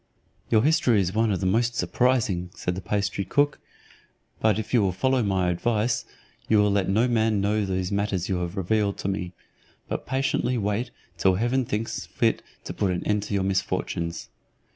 "Your history is one of the most surprising," said the pastry cook; "but if you will follow my advice, you will let no man know those matters you have revealed to me, but patiently wait till heaven thinks fit to put an end to your misfortunes.